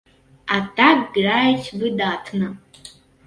А так граюць выдатна!